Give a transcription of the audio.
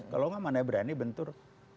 kalau nggak mana yang berani bentur